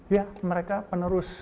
ya mereka penerus